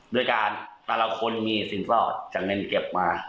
ด้วยการแต่ละคนมีสินฟอกจากเงินเก็บมา